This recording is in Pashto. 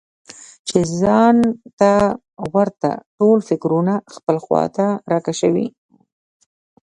چې ځان ته ورته ټول فکرونه خپلې خواته راکشوي.